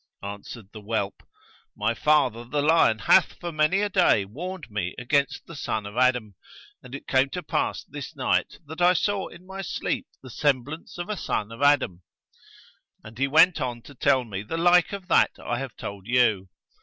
Answered the whelp, 'My father the lion hath for many a day warned me against the son of Adam, and it came to pass this night that I saw in my sleep the semblance of a son of Adam.' And he went on to tell me the like of that I have told you.